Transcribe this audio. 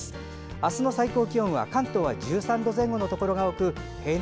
あすの最高気温は関東は１３度前後のところが多く平年